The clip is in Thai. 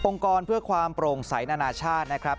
กรเพื่อความโปร่งใสนานาชาตินะครับ